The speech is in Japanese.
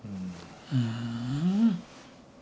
ふん。